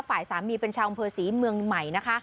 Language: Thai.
ฝ่ายสามีเป็นชาวอำเภอศรีเมืองใหม่นะคะ